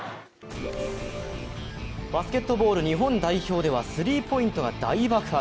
バスケットボール日本代表ではスリーポイントが大爆発。